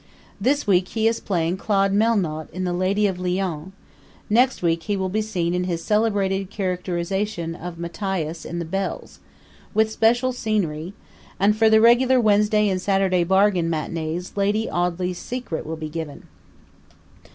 This week he is playing Claude Melnotte in The Lady of Lyons; next week he will be seen in his celebrated characterization of Matthias in The Bells, with special scenery; and for the regular Wednesday and Saturday bargain matinees Lady Audley's Secret will be given.